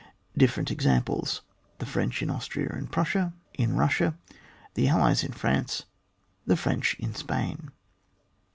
— Different examples : The French in Austria and ]^russia, in Eussia ; the allies in France, the French in Spain.